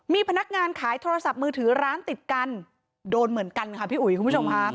มีพนักงานขายโทรศัพท์มือถือร้านติดกันโดนเหมือนกันค่ะพี่อุ๋ยคุณผู้ชมค่ะ